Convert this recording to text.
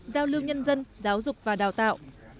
giao lưu nhân dân giáo dục và đào tạo